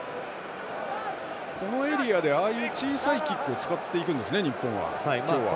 このエリアでああいう小さいキックを使っていくんですね日本は今日は。